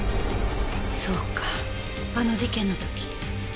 そうかあの事件の時。